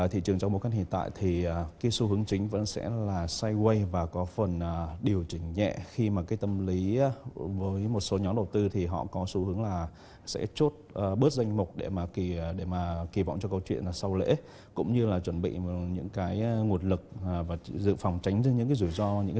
thị trường khi đó sẽ sôi động hơn